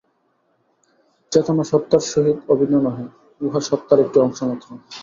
চেতনা সত্তার সহিত অভিন্ন নহে, উহা সত্তার একটি অংশ মাত্র।